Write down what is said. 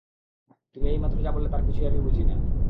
তুমি এইমাত্র যা বললে তার কিছুই আমি বুঝি না।